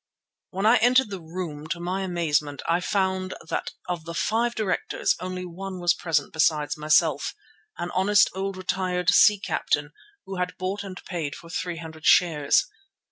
When I entered the room, to my amazement I found that of the five directors only one was present besides myself, an honest old retired sea captain who had bought and paid for 300 shares.